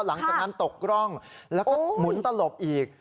หลังจากนั้นตกร่องแล้วก็หมุนตลบอีก